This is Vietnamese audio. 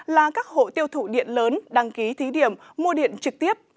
là các hộ tiêu thụ điện lớn đăng ký thí điểm mua điện trực tiếp